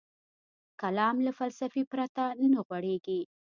کلام له فلسفې پرته نه غوړېږي.